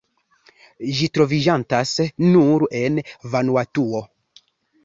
Ĝi troviĝantas nur en Vanuatuo.